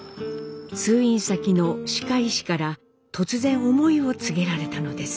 通院先の歯科医師から突然思いを告げられたのです。